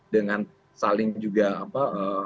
dengan saling juga apa